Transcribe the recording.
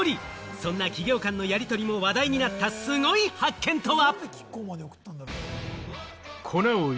そんな企業間のやり取りも話題となったすごい発見とは？